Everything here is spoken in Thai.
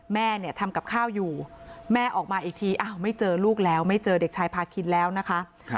แม่เนี่ยทำกับข้าวอยู่แม่ออกมาอีกทีอ้าวไม่เจอลูกแล้วไม่เจอเด็กชายพาคินแล้วนะคะ